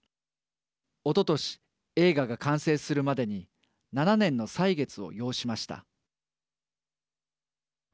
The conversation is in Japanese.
おととし映画が完成するまでに７年の歳月を要しました。